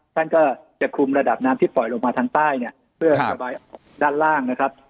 ท่านก็จะคุมระดับน้ำที่ปล่อยลงมาทางใต้เนี่ยเพื่อระบายออกด้านล่างนะครับ